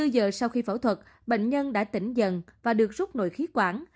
hai mươi bốn giờ sau khi phẫu thuật bệnh nhân đã tỉnh dần và được rút nổi khí quản